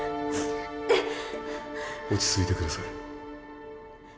落ち着いて下さい。